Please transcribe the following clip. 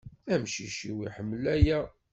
Amcic-iw iḥemmel aya.